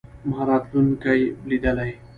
ما راتلونکې لیدلې.